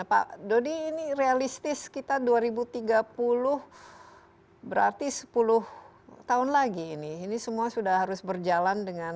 pak dodi ini realistis kita dua ribu tiga puluh berarti sepuluh tahun lagi ini ini semua sudah harus berjalan dengan